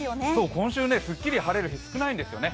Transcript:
今週すっきり晴れる日、少ないんですよね。